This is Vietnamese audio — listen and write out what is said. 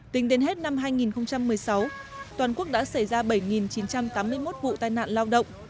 tính đến hết năm hai nghìn một mươi sáu toàn quốc đã xảy ra bảy chín trăm tám mươi một vụ tai nạn lao động